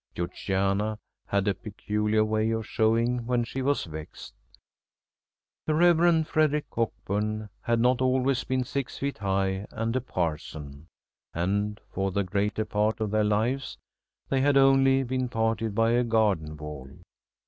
Georgiana had a peculiar way of showing when she was vexed. The Rev. Frederick Cockburn had not always been six feet high and a parson. And for the greater part of their lives they had only been parted by a garden wall.